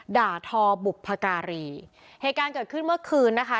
ด่าทอบุพการีเหตุการณ์เกิดขึ้นเมื่อคืนนะคะ